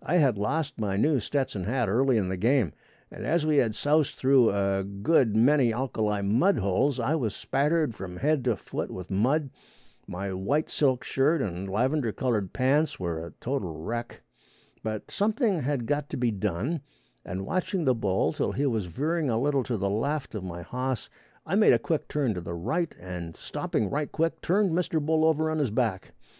I had lost my new Stetson hat early in the game, and, as we had soused through a good many alkali mud holes, I was spattered from head to foot with mud. My white silk shirt and lavender colored pants were a total wreck. But something had got to be done, and watching the bull till he was veering a little to the left of my hoss I made a quick turn to the right, and stopping right quick, turned Mr. Bull over on his back.